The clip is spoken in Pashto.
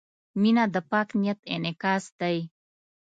• مینه د پاک نیت انعکاس دی.